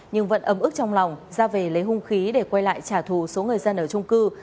nhưng vẫn ấm ức trong lòng ra về lấy hung khí để quay lại trả thù số người dân ở trung cư